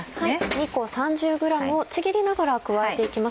２個３０ｇをちぎりながら加えて行きます。